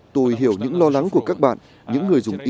tôi hiểu những lo lắng của các bạn